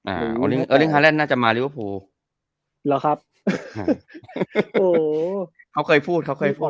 อ่าเอิริงฮาแลนด์น่าจะมาริวบูรณ์เหรอครับเขาเคยพูดเขาเคยพูด